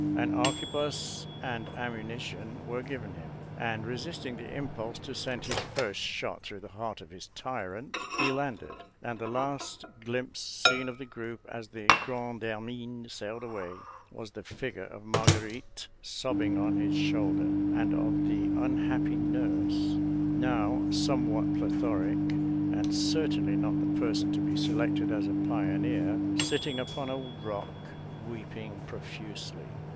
An arquebus and ammunition were given him; and resisting the impulse to send his first shot through the heart of his tyrant, he landed, and the last glimpse seen of the group as the Grande Hermine sailed away, was the figure of Marguerite sobbing on his shoulder, and of the unhappy nurse, now somewhat plethoric, and certainly not the person to be selected as a pioneer, sitting upon a rock, weeping profusely.